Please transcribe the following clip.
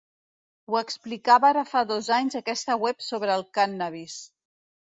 Ho explicava ara fa dos anys aquesta web sobre el cànnabis.